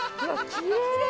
きれい！